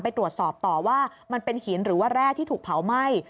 ไปตรวจสอบต่อว่ามันเป็นหินหรือว่าแร่ที่ถูกเผาไหม้